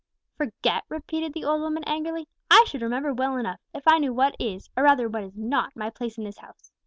"Forget!" repeated the old woman angrily; "I should remember well enough, if I knew what is, or rather what is not, my place in this house.